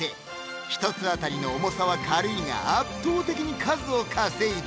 １つ当たりの重さは軽いが圧倒的に数を稼いだ！